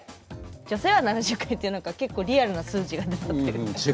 女性は７０回という何か結構リアルな数字が出たというか。